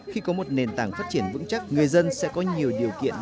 khi có một nền tảng phát triển vững chắc người dân sẽ có nhiều điều kiện